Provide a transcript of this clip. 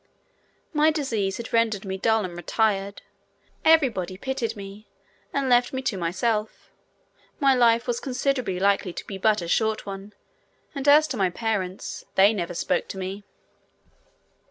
My disease had rendered me dull and retired; everybody pitied me and left me to myself; my life was considered likely to be but a short one, and as to my parents, they never spoke to me.